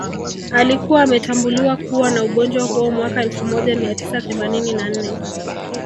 Alikuwa ametambuliwa kuwa na ugonjwa huo mwaka elfu moja mia tisa themanini na nne